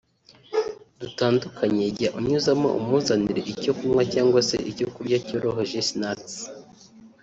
dutandukanye jya unyuzamo umuzanire icyo kunywa cyangwa se icyo kurya cyoroheje (snacks)